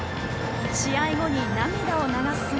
試合後に涙を流す姿。